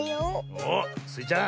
おおスイちゃん